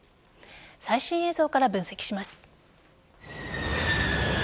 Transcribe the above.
最新映像から分析します。